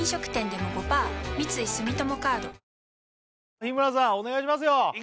日村さんお願いしますよいき